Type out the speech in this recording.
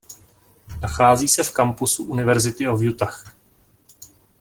Nachází se v kampusu University of Utah.